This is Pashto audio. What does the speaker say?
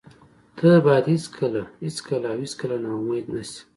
ته باید هېڅکله، هېڅکله او هېڅکله نا امید نشې.